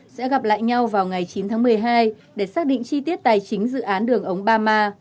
sẽ gặp lại nhau vào ngày chín tháng một mươi hai để xác định chi tiết tài chính dự án đường ống bama